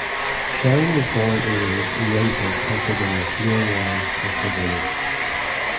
Shine was born and raised in Youngsville, Pennsylvania, near Warren, Pennsylvania.